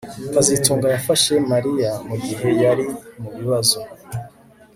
kazitunga yafashaga Mariya mugihe yari mubibazo